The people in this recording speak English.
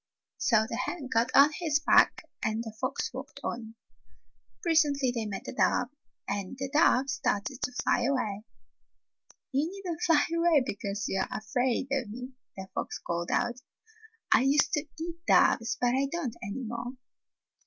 So the hen got on his back and the fox walked on. Presently they met a dove, and the dove started to fly away. "You need n't fly away because you are afraid of me," the fox called out. "I used to eat doves, but I don't any more."